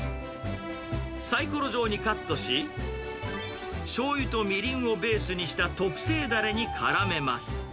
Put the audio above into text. サイコロ状にカットし、しょうゆとみりんをベースにした特製だれにからめます。